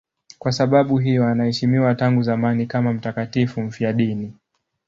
Kwa sababu hiyo anaheshimiwa tangu zamani kama mtakatifu mfiadini.